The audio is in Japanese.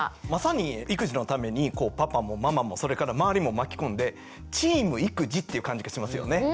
（小育児のためにパパもママもそれから周りも巻き込んで「チーム育児」っていう感じがしますよね。